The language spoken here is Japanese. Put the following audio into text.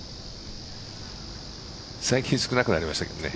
最近少なくなりましたけどね。